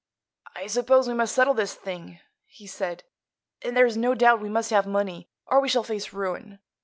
"I suppose we must settle this thing," he said; "and there's no doubt we must have money, or we shall face ruin.